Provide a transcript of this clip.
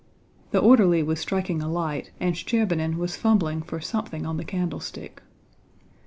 The orderly was striking a light and Shcherbínin was fumbling for something on the candlestick.